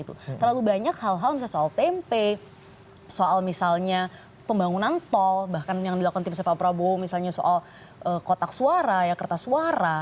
terlalu banyak hal hal misalnya soal tempe soal misalnya pembangunan tol bahkan yang dilakukan tim pak prabowo misalnya soal kotak suara ya kertas suara